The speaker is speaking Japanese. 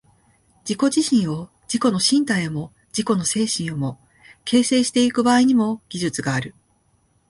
自己自身を、自己の身体をも自己の精神をも、形成してゆく場合にも、技術がある。